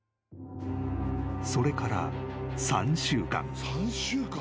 ［それから３週間］